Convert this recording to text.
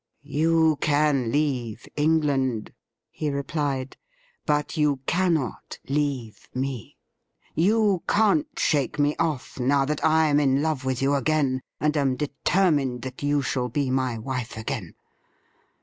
' You can leave England,' he replied, ' but you cannot leave me. You can't shake me off now that I am in love with you again, and am determined that you shall be my wife again.